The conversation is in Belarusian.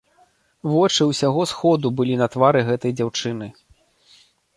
Вочы ўсяго сходу былі на твары гэтай дзяўчыны.